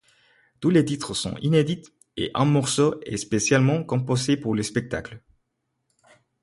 Tous les titres sont inédits et un morceau est spécialement composé pour le spectacle.